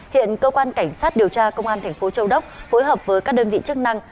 hiện cơ quan cảnh sát điều tra công an thành phố châu đốc phối hợp với các đơn vị chức năng